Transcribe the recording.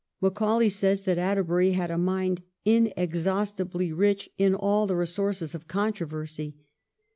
Macaulay says that Atterbury had a mind ' inexhaustibly rich in aU the resources of controversy.'